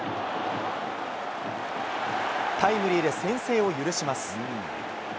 タイムリーで先制を許します。